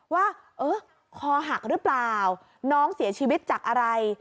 ว่าเออคอหักหรือเปล่าน้องเสียชีวิตจากอะไร